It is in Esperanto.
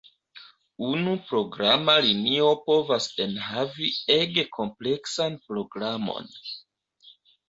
Unu programa linio povas enhavi ege kompleksan programon.